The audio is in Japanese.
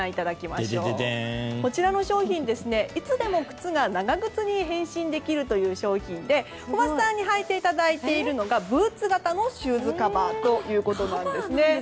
こちらの商品、いつでも靴が長靴に変身できるという商品で小松さんに履いていただいているのがブーツ型のシューズカバーです。